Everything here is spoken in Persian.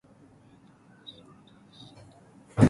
این اتوموبیل اسقاط است